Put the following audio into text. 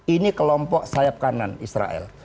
ini kelompok sayap kanan israel